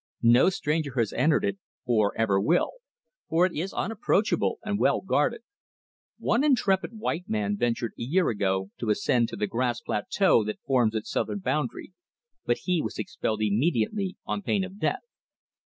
"No stranger has entered it, or ever will, for it is unapproachable and well guarded. One intrepid white man ventured a year ago to ascend to the grass plateau that forms its southern boundary, but he was expelled immediately on pain of death.